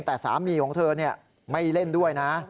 แต่สามีของเธอไม่เล่นด้วยนะ